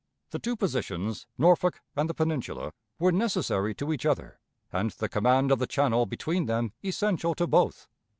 The two positions, Norfolk and the Peninsula, were necessary to each other, and the command of the channel between them essential to both.